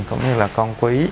cũng như là con quý